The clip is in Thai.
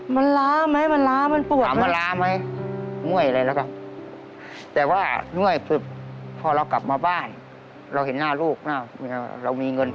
มันล้าไหมมันล้ามันปวดไหม